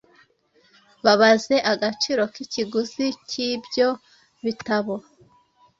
Babaze agaciro k’ikiguzi cy’ibyo bitabo,